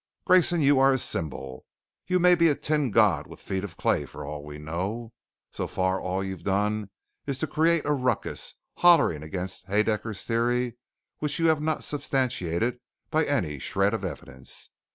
"Grayson, you are a symbol. You may be a tin God with feet of clay for all we know. So far all you've done is to create a ruckus, hollering against Haedaecker's Theory which you have not substantiated by any shred of evidence.